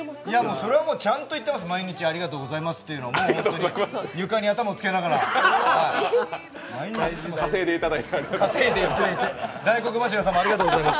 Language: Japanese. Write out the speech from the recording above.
それはもうちゃんと言ってます、毎日ありがとうございますって床に頭をつけながら、毎日言っています。